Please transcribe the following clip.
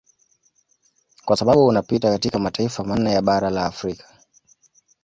Kwa sababu unapita katika mataifa manne ya bara la Afrika